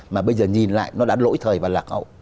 mà bây giờ nhìn lại nó đã lỗi thời và lạc hậu